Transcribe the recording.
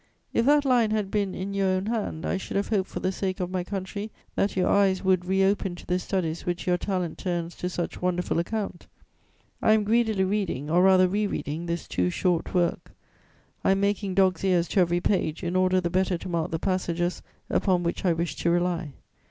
If that line had been in your own hand, I should have hoped for the sake of my country that your eyes would reopen to the studies which your talent turns to such wonderful account. I am greedily reading, or rather re reading, this too short work. I am making dog's ears to every page, in order the better to mark the passages upon which I wish to rely.